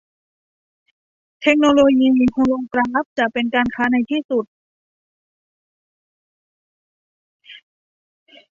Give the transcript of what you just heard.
เทคโนโลยีโฮโลกราฟจะเป็นการค้าในที่สุด